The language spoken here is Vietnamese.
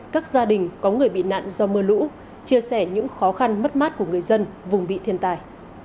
các gia đình có người bị nạn do mưa lũ chia sẻ những khó khăn mất mát của người dân vùng bị thiên tài